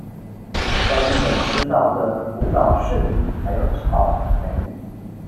在日本吃到的福島柿餅還有草莓